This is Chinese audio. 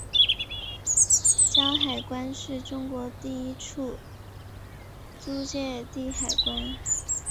胶海关是中国第一处租借地海关。